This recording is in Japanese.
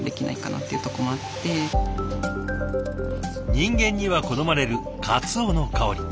人間には好まれるかつおの香り。